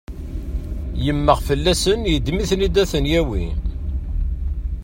Yemmeɣ fell-asen yeddem-iten-id ad ten-yawi.